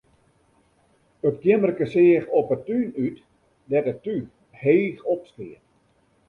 It keammerke seach op 'e tún út, dêr't it túch heech opskeat.